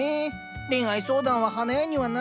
恋愛相談は花屋にはな。